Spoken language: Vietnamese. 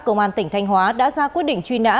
công an tỉnh thanh hóa đã ra quyết định truy nã